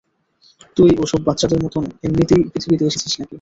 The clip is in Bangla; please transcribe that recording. তুই ওসব বাচ্চাদের মতোন এমনিতেই পৃথিবীতে এসেছিস নাকি।